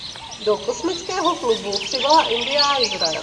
Do „kosmického klubu“ přibyla Indie a Izrael.